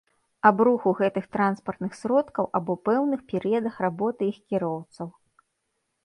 Аб руху гэтых транспартных сродкаў або пэўных перыядах работы іх кіроўцаў